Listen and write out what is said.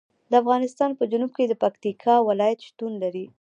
د افغانستان په جنوب کې د پکتیکا ولایت شتون لري.